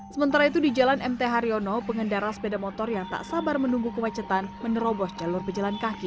sementara itu di jalan mt haryono pengendara sepeda motor yang tak sabar menunggu kemacetan menerobos jalur pejalan kaki